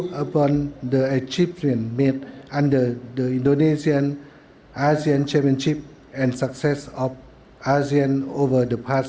kemampuan dan keberhasilan asean di indonesia selama beberapa tahun